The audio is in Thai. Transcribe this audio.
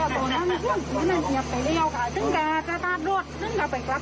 เดี๋ยวววดลบไปต่างนี้นะคะ